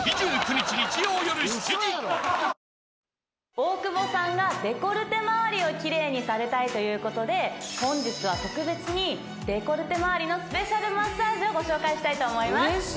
大久保さんがデコルテまわりを奇麗にされたいということで本日は特別にデコルテまわりのスペシャルマッサージをご紹介します。